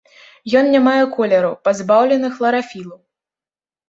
Ён не мае колеру, пазбаўлены хларафілу.